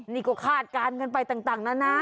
นี่ก็คาดการณ์กันไปต่างนะนะ